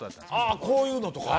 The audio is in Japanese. あこういうのとか？